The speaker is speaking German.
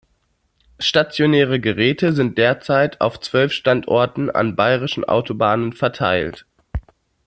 Stationäre Geräte sind derzeit auf zwölf Standorte an bayerischen Autobahnen verteilt.